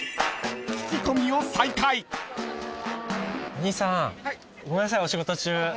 お兄さんごめんなさいお仕事中。